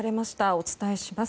お伝えします。